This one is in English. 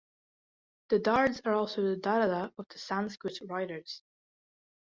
The Dards are also the Darada of the Sanskrit writers.